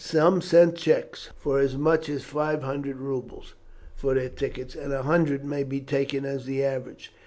Some sent cheques for as much as five hundred roubles for their tickets, and a hundred may be taken as the average.